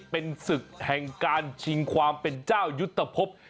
เป็นศึกแห่งการชิงความเป็นเจ้ายุทธภพ